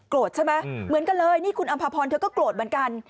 ใช่ไหมเหมือนกันเลยนี่คุณอำภาพรเธอก็โกรธเหมือนกัน